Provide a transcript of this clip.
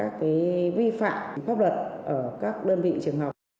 và giảm được các vi phạm pháp luật ở các đơn vị trường học